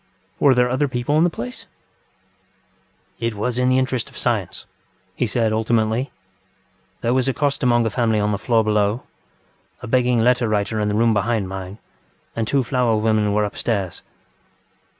Were there other people in the place? ŌĆØ ŌĆ£It was in the interest of science, ŌĆØ he said, ultimately. ŌĆ£There was a costermonger family on the floor below, a begging letter writer in the room behind mine, and two flower women were upstairs.